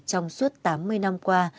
trong suốt tám mươi năm qua